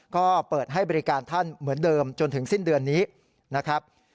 ก็เปิดให้บริการท่านเหมือนเดิมจนถึงสิ้นเดือนนี้นะครับ